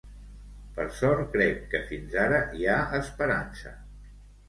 Per sort crec que fins ara hi ha esperança.